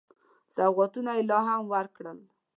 سوغاتونه یې لا هم ورکړل.